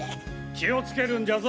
気をつけるんじゃぞ。